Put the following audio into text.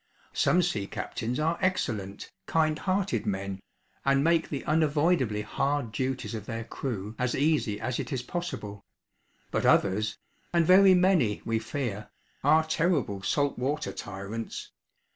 Some sea captains are excellent, kind hearted men, and make the unavoidably hard duties of their crew as easy as it is possible; but others and very many we fear are terrible salt water tyrants.